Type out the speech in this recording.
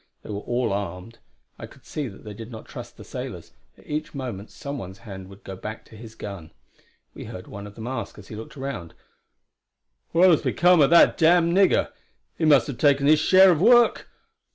They were all armed; I could see that they did not trust the sailors, for each moment some one's hand would go back to his gun. We heard one of them ask as he looked round: "What has become of that damned nigger? He must take his share of work!"